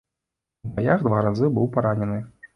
У баях два разы быў паранены.